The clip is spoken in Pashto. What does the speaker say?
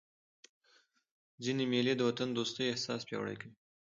ځيني مېلې د وطن دوستۍ احساس پیاوړی کوي.